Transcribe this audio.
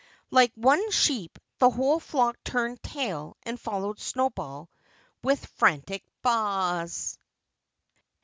Like one sheep the whole flock turned tail and followed Snowball with frantic baas.